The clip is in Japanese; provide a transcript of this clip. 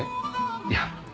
いや。